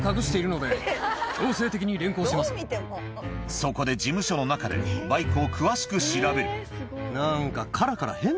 そこで事務所の中でバイクを詳しく調べるなんか。